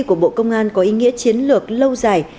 của bộ công an có ý nghĩa chiến lược lâu dài